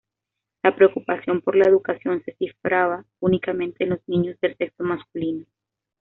La preocupación por la educación se cifraba únicamente en los niños del sexo masculino.